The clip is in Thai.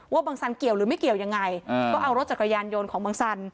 บังสันเกี่ยวหรือไม่เกี่ยวยังไงก็เอารถจักรยานยนต์ของบังสัน